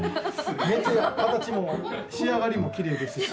形も仕上がりもきれいですし。